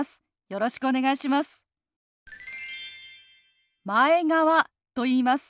よろしくお願いします。